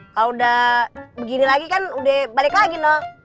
kalau udah begini lagi kan udah balik lagi nok